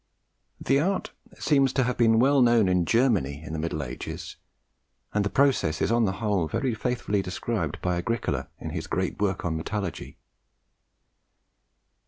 The art seems to have been well known in Germany in the Middle Ages, and the process is on the whole very faithfully described by Agricola in his great work on Metallurgy.